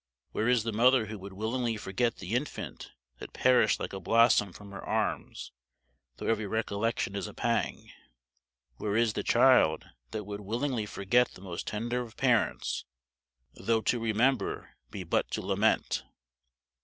Where is the mother who would willingly forget the infant that perished like a blossom from her arms though every recollection is a pang? Where is the child that would willingly forget the most tender of parents, though to remember be but to lament?